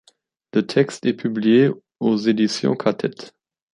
Le texte est publié aux éditions Quartett.